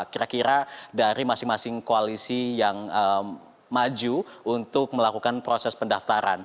kira kira dari masing masing koalisi yang maju untuk melakukan proses pendaftaran